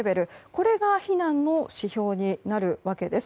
これが避難の指標になるわけです。